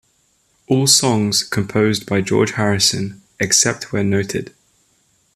All songs composed by George Harrison, except where noted.